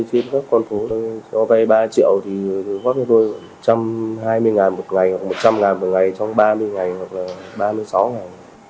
tiếp tục con phố cho vây ba triệu thì góp cho tôi một trăm hai mươi ngàn một ngày một trăm linh ngàn một ngày trong ba mươi ngày hoặc là ba mươi sáu ngày